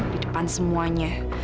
di depan semuanya